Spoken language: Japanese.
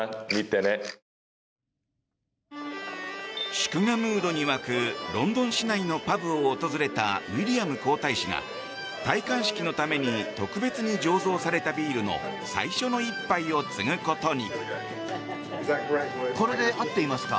祝賀ムードに沸くロンドン市内のパブを訪れたウィリアム皇太子が戴冠式のために特別に醸造されたビールの最初の１杯をつぐことに。